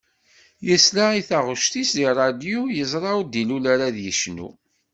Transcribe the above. Yesla i taγect-is di ṛṛadiu yezṛa ur d-ilul ara ad yecnu.